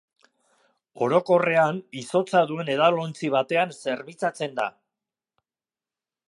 Orokorrean izotza duen edalontzi batean zerbitzatzen da.